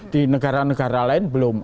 di negara negara lain belum